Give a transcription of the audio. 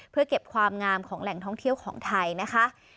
เพื่อเก็บความงามของแหล่งท่องเที่ยวของไทยนะคะ